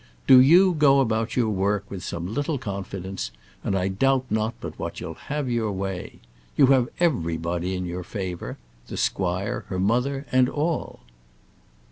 Do you go about your work with some little confidence, and I doubt not but what you'll have your way. You have everybody in your favour, the squire, her mother, and all."